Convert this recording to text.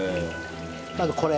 まずこれ。